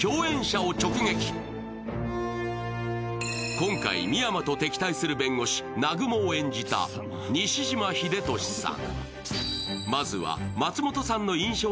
今回深山と敵対する弁護士・南雲を演じた西島秀俊さん。